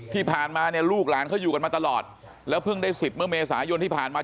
ที่ผ่านมาเนี่ยลูกหลานเขาอยู่กันมาตลอดแล้วเพิ่งได้สิทธิ์เมื่อเมษายนที่ผ่านมา